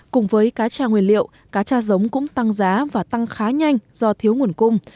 cùng với cá tra nguyên liệu cá tra giống cũng tăng giá và tăng khá nhanh do thiếu nguồn cung